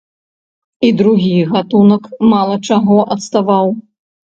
І другі гатунак мала чаго адставаў.